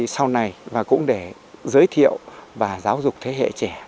sau này và cũng để giới thiệu và giáo dục thế hệ trẻ